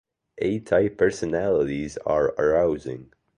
A-type personalities are arousing.